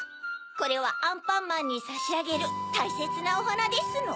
これはアンパンマンにさしあげるたいせつなおはなですの。